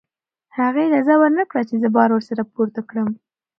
هغې اجازه ورنکړه چې زه بار ورسره پورته کړم.